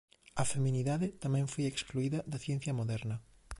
A feminidade tamén foi excluída da ciencia moderna.